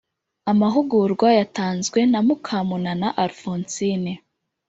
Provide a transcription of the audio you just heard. Amahugurwa yatanzwe na Mukamunana Alphonsine,